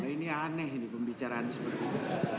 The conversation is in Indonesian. ini aneh ini pembicaraan seperti ini